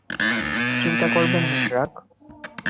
চিন্তা করবেন না, ড্রাক।